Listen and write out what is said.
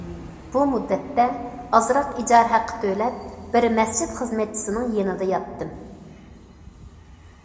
بۇ مۇددەتتە ئازراق ئىجارە ھەققى تۆلەپ بىر مەسچىت خىزمەتچىسىنىڭ يېنىدا ياتتىم.